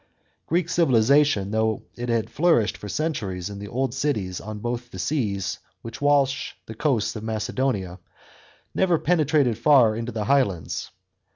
Greek civilisation, though it had flourished for centuries in the old cities on both the seas which wash the coasts of Macedonia, never penetrated far into the high lands.